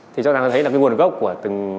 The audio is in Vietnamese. thì chúng ta thấy là cái nguồn gốc của từng